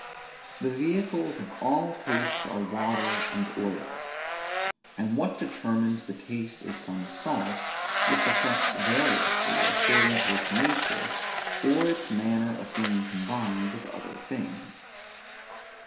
The vehicles of all tastes are water and oil. And what determines the taste is some salt, which affects variously according to its nature, or its manner of being combined with other things.